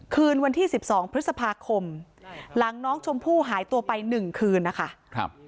คืนวันที่๑๒พฤษภาคมหลังน้องชมพู่หายตัวไปหนึ่งคืนนะคะ